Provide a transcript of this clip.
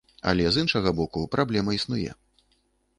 Але з іншага боку, праблема існуе.